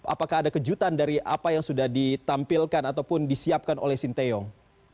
apakah ada kejutan dari apa yang sudah ditampilkan ataupun disiapkan oleh sinteyong